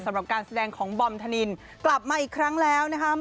สำหรับการแสดงของบอมธนินกลับมาอีกครั้งแล้วนะคะ